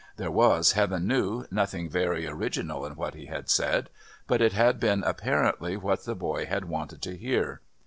There was, Heaven knew, nothing very original in what he had said, but it had been apparently what the boy had wanted to hear.